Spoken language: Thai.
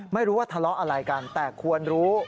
ไม่รู้ว่าทะเลาะอะไรกันแต่ควรรู้